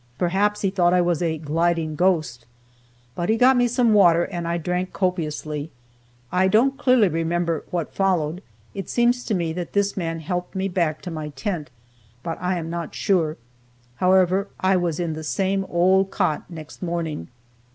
Perhaps he thought I was a "gliding ghost." But he got me some water, and I drank copiously. I don't clearly remember what followed. It seems to me that this man helped me back to my tent, but I am not sure. However, I was in the same old cot next morning.